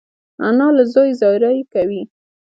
انا له زوی زاری کوي